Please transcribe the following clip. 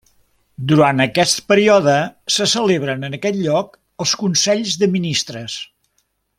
Durant aquest període se celebren en aquest lloc els consells de ministres.